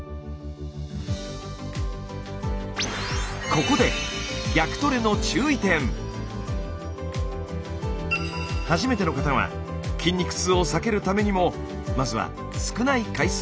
ここで初めての方は筋肉痛を避けるためにもまずは少ない回数から。